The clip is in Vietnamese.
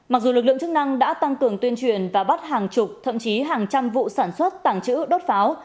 mặc dù lực lượng chức năng đã tăng cường tuyên truyền và bắt hàng chục thậm chí hàng trăm vụ sản xuất tàng trữ đốt pháo